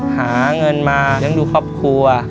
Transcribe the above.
หาเงินมาเลี้ยงดูครอบครัว